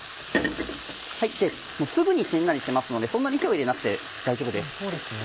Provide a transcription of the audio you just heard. すぐにしんなりしますのでそんなに火を入れなくて大丈夫です。